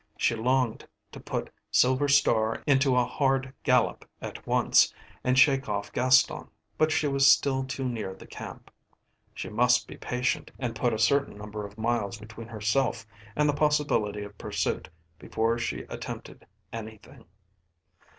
She longed to put Silver Star into a hand gallop at once and shake off Gaston, but she was still too near the camp. She must be patient and put a certain number of miles between herself and the possibility of pursuit before she attempted anything.